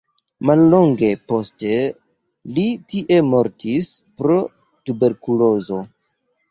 Mallonge poste li tie mortis pro tuberkulozo.